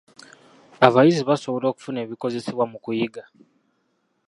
Abayizi baasobola okufuna ebikozesebwa mu kuyiga.